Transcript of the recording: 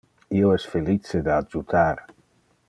Io es felice de adjutar.